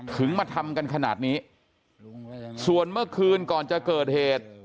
ถึงมาทำกันขนาดนี้ส่วนเมื่อคืนก่อนจะเกิดเหตุ